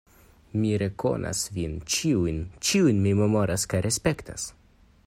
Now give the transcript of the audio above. Mi rekonas vin ĉiujn, ĉiujn mi memoras kaj respektas.